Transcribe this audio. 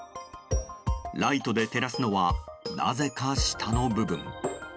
ライトで照らすのはなぜか下の部分。